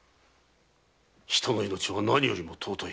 人の命は何よりも尊い。